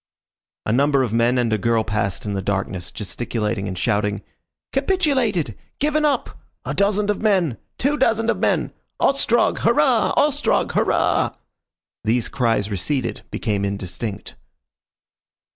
A number of men and a girl passed in the darkness, gesticulating and shouting: "Capitulated! Given up!" "A dozand of men." "Two dozand of men." "Ostrog, Hurrah! Ostrog, Hurrah!" These cries receded, became indistinct.